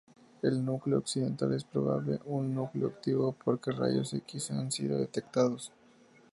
El núcleo occidental es probable un núcleo activo, porque rayos X han sido detectados.